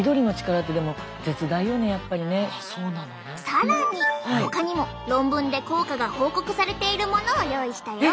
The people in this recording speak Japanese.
更にほかにも論文で効果が報告されているものを用意したよ。